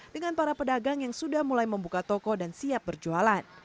dengan para pedagang yang sudah mulai membuka toko dan siap berjualan